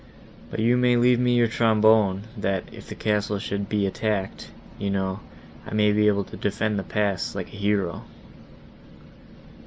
But you may leave me your trombone,* that, if the castle should be attacked, you know, I may be able to defend the pass, like a hero."